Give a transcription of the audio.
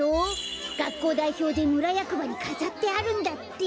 がっこうだいひょうでむらやくばにかざってあるんだって。